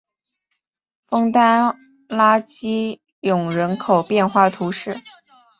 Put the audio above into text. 枫丹拉基永人口变化图示